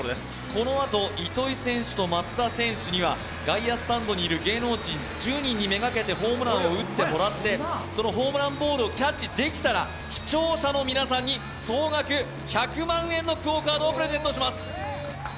このあと糸井選手と松田選手には外野スタンドにいる芸能人１０人に目がけてホームランを打ってもらってそのホームランボールをキャッチできたら、視聴者の皆さんに総額１００万円のＱＵＯカードをプレゼントします。